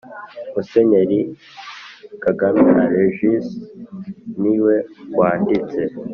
Musenyeri Kagame Alegisi ni we wanditse